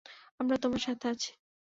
আমরা তোমার সাথে আছি।